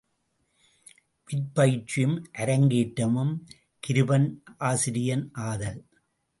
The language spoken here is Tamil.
விற்பயிற்சியும் அரங்கேற்றமும் கிருபன் ஆசிரியன் ஆதல்.